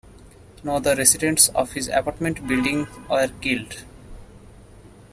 No other residents of his apartment building were killed.